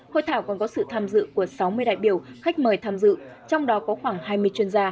hội thảo còn có sự tham dự của sáu mươi đại biểu khách mời tham dự trong đó có khoảng hai mươi chuyên gia